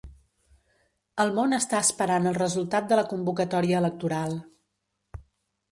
El món està esperant el resultat de la convocatòria electoral